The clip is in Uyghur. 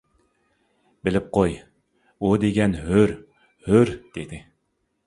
بىلىپ قوي: ئۇ دېگەن ھۆر، ھۆر. دېدى.